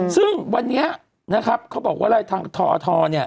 ซึ่งวันนี้นะครับเขาบอกว่าอะไรทางทอทเนี่ย